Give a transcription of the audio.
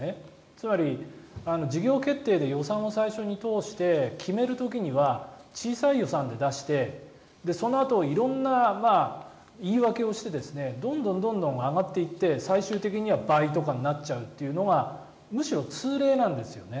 つまり事業決定で予算を最初に通して決める時には小さい予算で出してそのあと、色んな言い訳をしてどんどん上がって言って最終的には倍とかになるというのはむしろ通例なんですよね。